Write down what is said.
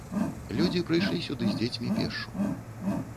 Людзі прыйшлі сюды з дзецьмі пешшу.